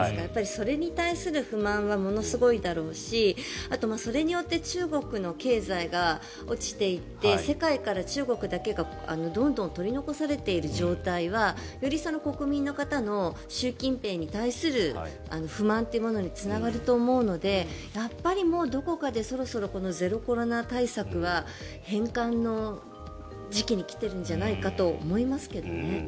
それに対する不満はものすごいだろうしあと、それによって中国の経済が落ちていって世界から中国だけがどんどん取り残されている状態はより国民の方の習近平に対する不満というものにつながると思うのでやっぱり、どこかでそろそろゼロコロナ対策は変換の時期に来ているんじゃないかと思いますけどね。